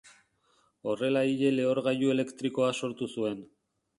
Horrela ile-lehorgailu elektrikoa sortu zuen.